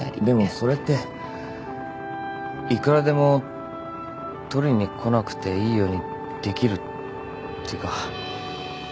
でもそれっていくらでも取りに来なくていいようにできるっていうか。